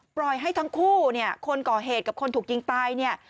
ปล่อยให้ทั้งคู่คนก่อเหตุกับคนถูกยิงตาย